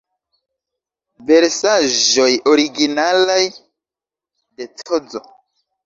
Versaĵoj originalaj de Cz.